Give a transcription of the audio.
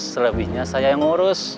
selebihnya saya yang urus